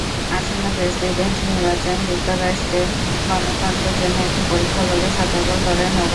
আসন্ন প্রেসিডেন্ট নির্বাচন যুক্তরাষ্ট্রের গণতন্ত্রের জন্য একটি পরীক্ষা বলে সতর্ক করেন ওবামা।